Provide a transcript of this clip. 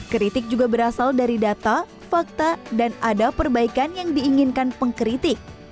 kritik juga berasal dari data fakta dan ada perbaikan yang diinginkan pengkritik